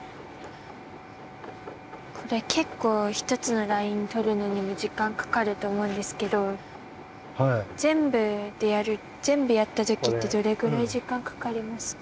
これけっこう一つのラインをとるのにも時間かかると思うんですけど全部やったときってどれぐらい時間かかりますか？